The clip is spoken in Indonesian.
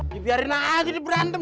dibiarin aja di berantem